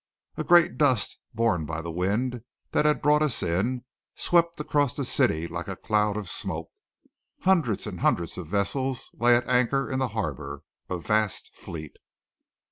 A great dust, borne by the wind that had brought us in, swept across the city like a cloud of smoke. Hundreds and hundreds of vessels lay at anchor in the harbour, a vast fleet.